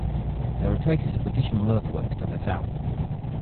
There are traces of additional earthworks to the south.